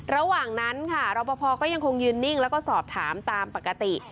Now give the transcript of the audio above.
ระหว่างนั้นค่ะรอปภก็ยังคงยืนนิ่งแล้วก็สอบถามตามปกติ